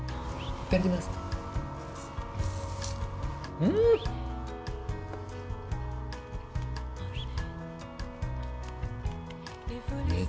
いただきますっ！